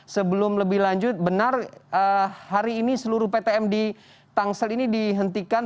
sebelum lebih lanjut benar hari ini seluruh ptm di tangsel ini dihentikan